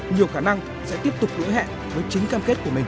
nhiều khả năng sẽ tiếp tục đối hẹn với chính cam kết của mình